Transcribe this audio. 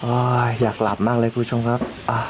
อ้าวอยากหลับมากเลยผู้ชมครับ